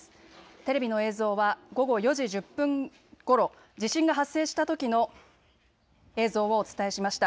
テレビの映像は午後４時１０分ごろ、地震が発生したときの映像をお伝えしました。